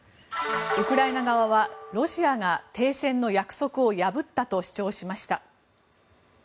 ウクライナ側はロシアが停戦の約束を破ったと主張しました。